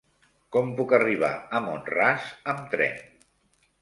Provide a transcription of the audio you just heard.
Com puc arribar a Mont-ras amb tren?